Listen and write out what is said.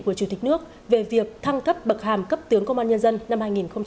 của chủ tịch nước về việc thăng cấp bậc hàm cấp tướng công an nhân dân năm hai nghìn hai mươi